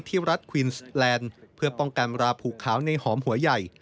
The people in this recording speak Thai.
รัฐควีนส์แลนด์เพื่อป้องกันราผูกขาวในหอมหัวใหญ่